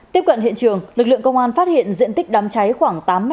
tiếp cận hiện trường lực lượng công an phát hiện diện tích đám cháy khoảng tám m hai